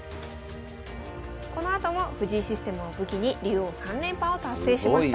このあとも藤井システムを武器に竜王３連覇を達成しました。